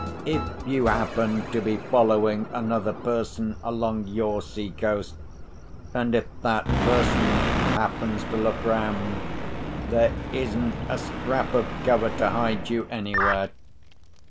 If you happen to be following another person along your sea coast, and if that person happens to look round, there isn't a scrap of cover to hide you anywhere.